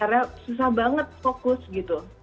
karena susah banget fokus gitu